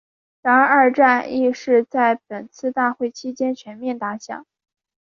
然而二战亦是在本次大会期间全面打响。